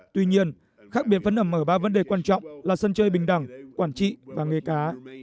tuy nhiên khác biệt phấn ẩm ở ba vấn đề quan trọng là sân chơi bình đẳng quản trị và nghề cá